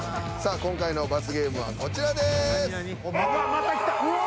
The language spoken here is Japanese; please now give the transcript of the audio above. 今回の罰ゲームはこちらです。